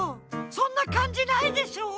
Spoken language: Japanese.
そんなかんじないでしょ！